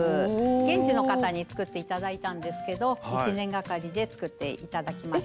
現地の方に作って頂いたんですけど１年がかりで作って頂きました。